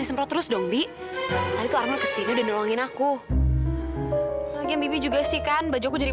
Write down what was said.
sampai jumpa di video selanjutnya